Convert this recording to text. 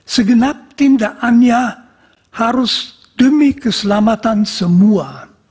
segenap tindakannya harus demi keselamatan semua